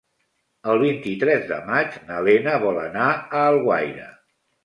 El vint-i-tres de maig na Lena vol anar a Alguaire.